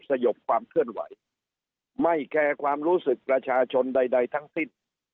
สยบความเคลื่อนไหวไม่แคร์ความรู้สึกประชาชนใดทั้งสิ้น